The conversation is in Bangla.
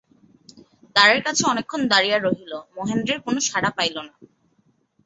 দ্বারের কাছে অনেকক্ষণ দাঁড়াইয়া রহিল–মহেন্দ্রের কোনো সাড়া পাইল না।